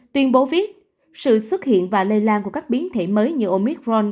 tuyên bố viết sự xuất hiện và lây lan của các biến thể mới như omicron